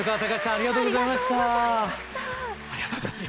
ありがとうございます。